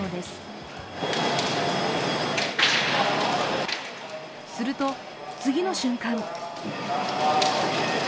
すると、次の瞬間